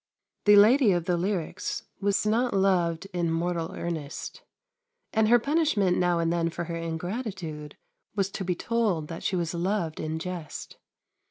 The lady of the lyrics was not loved in mortal earnest, and her punishment now and then for her ingratitude was to be told that she was loved in jest.